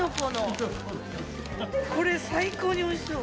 これ、最高においしそう。